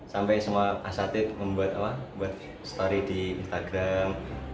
sampai semua asathed membuat story di instagram